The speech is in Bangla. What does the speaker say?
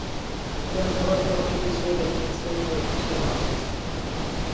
জ্ঞান হবার পর থেকেই সে দেখেছে যে, সে ভাসছে।